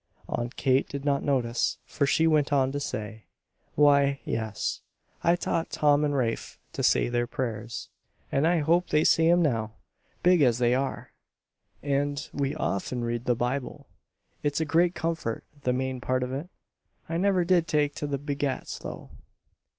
Aunt Kate did not notice, for she went on to say: "Why yes; I taught Tom and Rafe to say their prayers, and I hope they say 'em now, big as they are. And we often read the Bible. It's a great comfort, the main part of it. I never did take to the 'begats,' though."